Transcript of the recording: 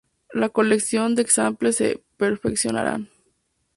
Las colecciones de exempla se perfeccionaron.